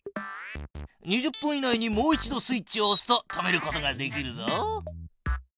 ２０分以内にもう一度スイッチをおすと止めることができるぞ。